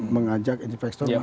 mengajak investor masuk